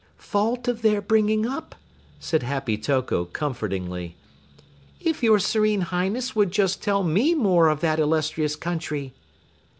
"Fault of their bringing up," said Happy Toko comfortingly. "If your serene Highness would just tell me more of that illustrious country!"